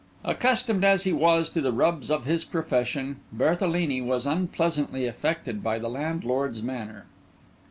Accustomed as he was to the rubs of his profession, Berthelini was unpleasantly affected by the landlord's manner.